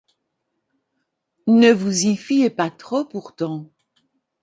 Ne vous y fiez pas trop pourtant.